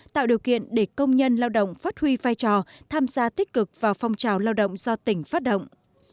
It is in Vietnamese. tạo điều kiện để công nhân lao động phát huy vai trò tham gia tích cực vào phong trào lao động do tỉnh phát động